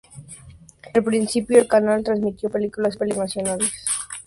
Desde el principio el canal transmitió películas internacionales y de Hollywood.